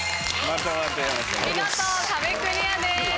見事壁クリアです！